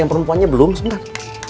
yang perempuannya belum sebentar